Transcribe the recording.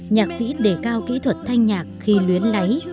nhạc sĩ đề cao kỹ thuật thanh nhạc khi luyến lấy